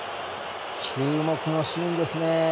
注目のシーンですね。